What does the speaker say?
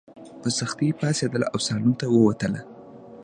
په سختۍ پاڅېدله او سالون ته ووتله.